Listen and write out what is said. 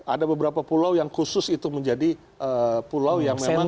ada beberapa pulau yang khusus itu menjadi pulau yang memang